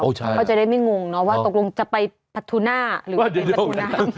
ก็จะได้ไม่งงว่าตกลงจะไปประตูหน้าหรือเป็นประตูน้ำ